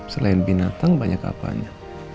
selain binatang banyak apaannya